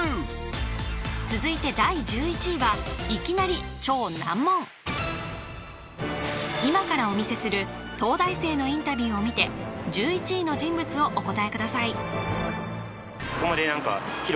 続いて第１１位はいきなり今からお見せする東大生のインタビューを見て１１位の人物をお答えください